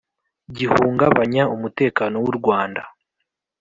gihungabanya umutekano w'u rwanda.